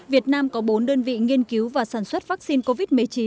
việt nam có bốn đơn vị nghiên cứu và sản xuất vaccine covid một mươi chín